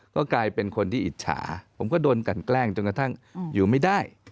ก็กลายเป็นคนที่อิจฉาผมก็โดนกันแกล้งจนกระทั่งอยู่ไม่ได้